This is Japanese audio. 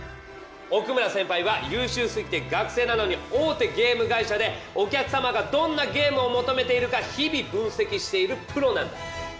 奥村先輩は優秀すぎて学生なのに大手ゲーム会社でお客様がどんなゲームを求めているか日々分析しているプロなんだ。